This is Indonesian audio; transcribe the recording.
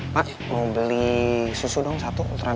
pak mau beli susu dong satu